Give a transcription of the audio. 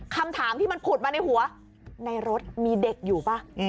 คำถามที่มันผุดมาในหัวในรถมีเด็กอยู่ป่ะ